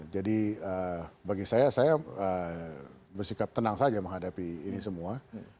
jadi bagi saya saya bersikap tenang saja menghadapi ini semua